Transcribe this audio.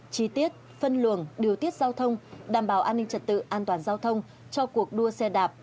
chi tiết phân luồng điều tiết giao thông đảm bảo an ninh trật tự an toàn giao thông cho cuộc đua xe đạp